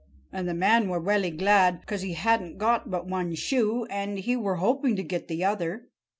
And the man were welly glad, 'cause he hadn't got but one shoe, and he were hopping to get the other.